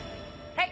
はい！